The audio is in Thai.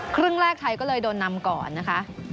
ครึ่งแรกไทยก็เลยโดนนำก่อนนะคะ